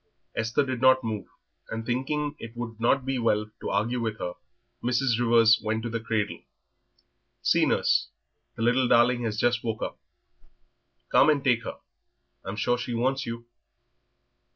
Esther did not move, and thinking that it would not be well to argue with her, Mrs. Rivers went over to the cradle. "See, nurse, the little darling has just woke up; come and take her, I'm sure she wants you."